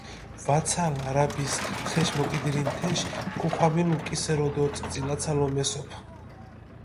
ვაცალ არაბის ხეში მოკიდირინი თეში, ქუხვამილუ კისერო დო წიწილაცალო მესოფჷ.